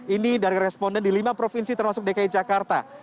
ini dari responden di lima provinsi termasuk dki jakarta